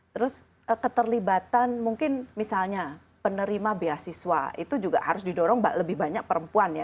terus keterlibatan mungkin misalnya penerima beasiswa itu juga harus didorong lebih banyak perempuan ya